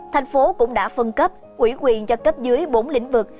thành phố cũng đã phân cấp ủy quyền cho cấp dưới bốn lĩnh vực